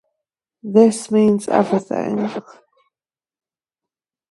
It means everything.